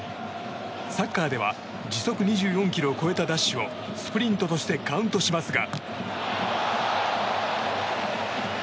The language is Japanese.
サッカーでは時速２４キロを超えたダッシュをスプリントとしてカウントしますが。